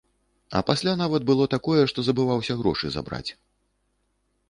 А пасля нават было такое, што забываўся грошы забраць.